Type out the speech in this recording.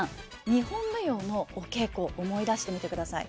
日本舞踊のお稽古思い出してみてください。